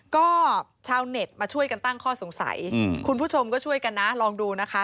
ก็ชาวเน็ตมาช่วยกันตั้งข้อสงสัยคุณผู้ชมก็ช่วยกันนะลองดูนะคะ